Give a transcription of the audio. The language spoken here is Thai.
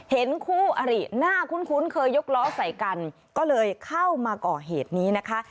เห็นคู่อริน่าคุ้นเคยยกล้อใส่กันก็เลยเข้ามาก่อเหตุนี้นะคะ